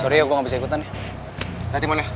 gue juga masih di traktir ya